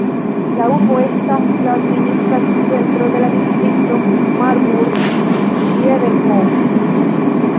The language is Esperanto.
La urbo estas la administra centro de la distrikto Marburg-Biedenkopf.